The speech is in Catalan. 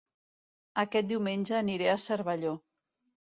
Aquest diumenge aniré a Cervelló